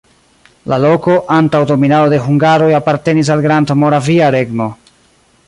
La loko antaŭ dominado de hungaroj apartenis al Grandmoravia Regno.